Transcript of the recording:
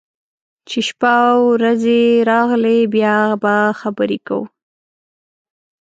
چې شپه او رځې راغلې، بیا به خبرې کوو.